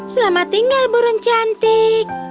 selamat tinggal burung cantik